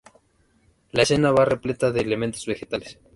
La escena va repleta de elementos vegetales.